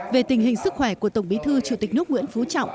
về tình hình sức khỏe của tổng bí thư chủ tịch nước nguyễn phú trọng